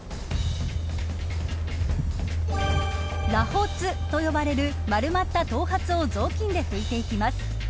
螺髪と呼ばれる丸まった頭髪を雑巾で拭いていきます。